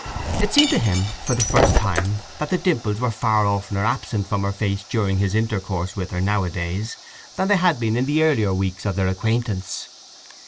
It seemed to him for the first time that the dimples were far oftener absent from her face during his intercourse with her nowadays than they had been in the earlier weeks of their acquaintance.